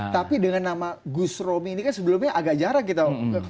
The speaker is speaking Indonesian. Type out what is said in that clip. tapi dengan nama gus romi ini kan sebelumnya agak jarang kita